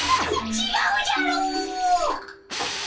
ちがうじゃろー。